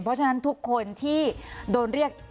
เพราะฉะนั้นทุกคนที่โดนเรียก